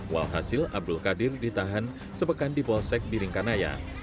walhasil abdul qadir ditahan sepekan di polsek biringkanaya